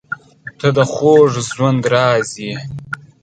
• ته د خوږ ژوند راز یې.